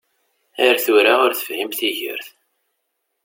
Ar tura ur tefhim tigert.